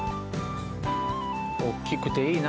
おっきくていいな。